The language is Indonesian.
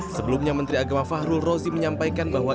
sebelumnya menteri agama fahrul rozi menyampaikan bahwa